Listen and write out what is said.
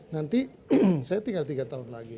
nanti saya tinggal tiga tahun lagi